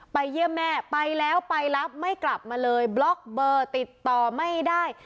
เยี่ยมแม่ไปแล้วไปรับไม่กลับมาเลยบล็อกเบอร์ติดต่อไม่ได้